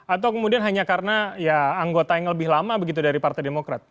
atau kemudian hanya karena ya anggota yang lebih lama begitu dari partai demokrat